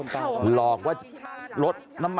กลับไปลองกลับ